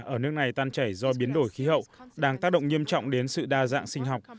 ở nước này tan chảy do biến đổi khí hậu đang tác động nghiêm trọng đến sự đa dạng sinh học